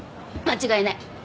間違いない。